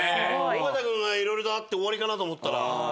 尾形君がいろいろとあって終わりかなと思ったら。